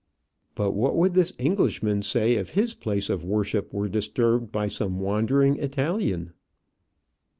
But what would this Englishman say if his place of worship were disturbed by some wandering Italian?